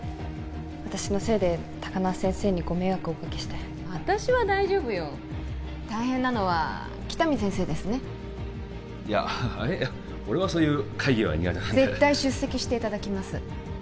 私のせいで高輪先生にご迷惑をおかけして私は大丈夫よ大変なのは喜多見先生ですねいやえっ俺はそういう会議は苦手なので絶対出席していただきます